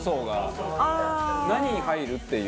何入る？っていう。